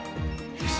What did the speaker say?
よし。